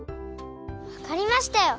わかりましたよ！